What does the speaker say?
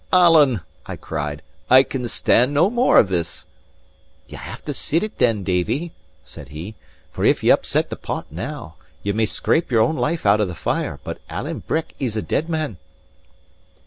"Alan," I cried, "I can stand no more of this." "Ye'll have to sit it then, Davie," said he. "For if ye upset the pot now, ye may scrape your own life out of the fire, but Alan Breck is a dead man."